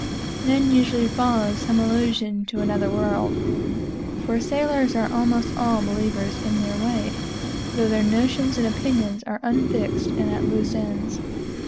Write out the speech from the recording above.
Then usually follows some allusion to another world, for sailors are almost all believers; but their notions and opinions are unfixed and at loose ends.